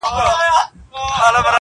څڼور له ټولو څخه ورک دی~